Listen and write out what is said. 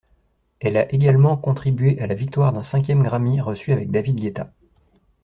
Elle a également contribué à la victoire d'un cinquième Grammy reçu avec David Guetta.